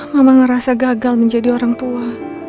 mama ngerasa gagal menjadi orang tua